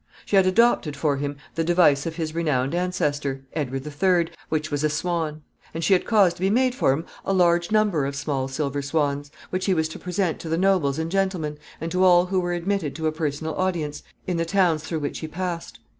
She had adopted for him the device of his renowned ancestor, Edward III., which was a swan; and she had caused to be made for him a large number of small silver swans, which he was to present to the nobles and gentlemen, and to all who were admitted to a personal audience, in the towns through which he passed.